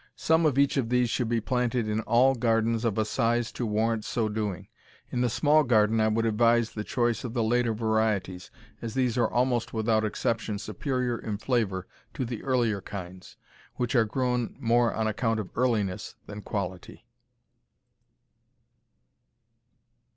Some of each of these should be planted in all gardens of a size to warrant so doing. In the small garden I would advise the choice of the later varieties, as these are almost without exception superior in flavor to the earlier kinds, which are grown more on account of earliness than quality.